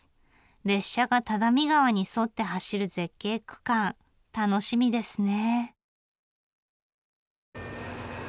列車が只見川に沿って走る絶景区間楽しみですね。